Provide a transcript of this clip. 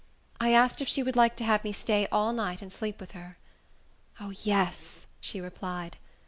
I asked if she would like to have me stay all night and sleep with her. "O, yes," she replied.